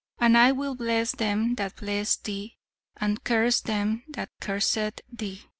'And I will bless them that bless thee, and curse them that curseth thee.'